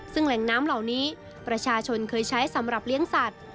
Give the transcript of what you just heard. ซึ่งแหล่งน้ำเหล่านี้ประชาชนเคยใช้สำหรับเลี้ยงสัตว์